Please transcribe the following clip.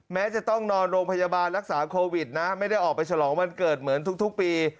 แม้จะต้องนอนโรงพยาบาลรักษาโควิดนะไม่ได้ออกไปฉลองวันเกิดเหมือนทุกปี